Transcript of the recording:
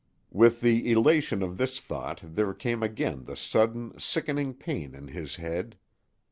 With the elation of this thought there came again the sudden, sickening pain in his head.